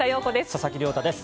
佐々木亮太です。